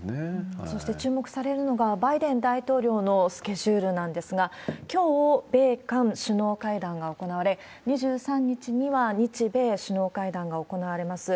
そして注目されるのは、バイデン大統領のスケジュールなんですが、きょう、米韓首脳会談が行われ、２３日には日米首脳会談が行われます。